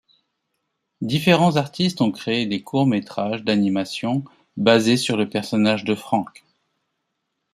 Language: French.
Différents artistes ont créé des courts-métrages d'animation basés sur le personnage de Frank.